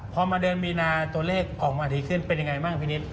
พอมาเดือนมีนาตัวเลขออกมาดีขึ้นเป็นยังไงบ้างพี่นิด